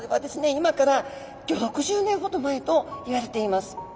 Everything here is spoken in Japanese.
今から５０６０年ほど前といわれています。